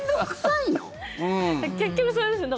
結局それですよね。